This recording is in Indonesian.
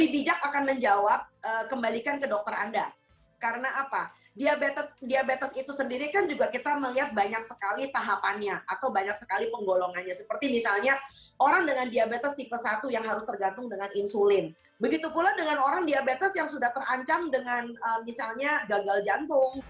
begitu pula dengan orang diabetes yang sudah terancam dengan misalnya gagal jantung